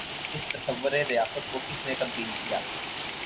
اس تصور ریاست کو کس نے تبدیل کیا؟